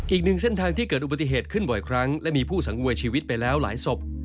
อีกหนึ่งเส้นทางที่เกิดอุบัติเหตุขึ้นบ่อยครั้งและมีผู้สังเวยชีวิตไปแล้วหลายศพ